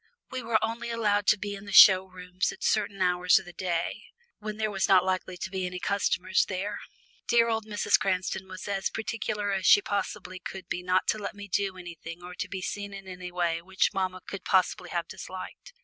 We were only allowed to be in the show rooms at certain hours of the day, when there were not likely to be any customers there. Dear old Mrs. Cranston was as particular as she possibly could be not to let me do anything or be seen in any way which mamma could possibly have disliked.